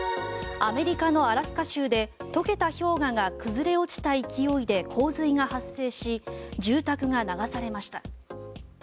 アメリカのアラスカ州で溶けた氷河が崩れ落ちた勢いで洪水が発生し住宅が流されました。